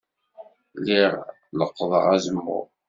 Lliɣ leqqḍeɣ azemmur.